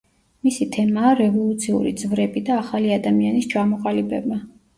მისი თემაა რევოლუციური ძვრები და ახალი ადამიანის ჩამოყალიბება.